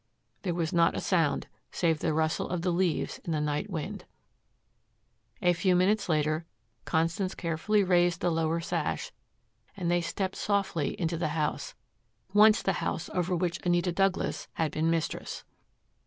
There was not a sound, save the rustle of the leaves in the night wind. A few minutes later Constance carefully raised the lower sash and they stepped softly into the house once the house over which Anita Douglas had been mistress.